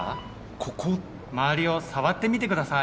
周りを触ってみて下さい。